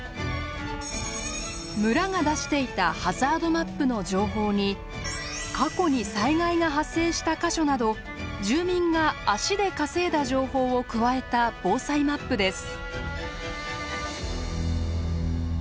村が出していたハザードマップの情報に過去に災害が発生した箇所など住民が足で稼いだ情報を加えた防災マップです。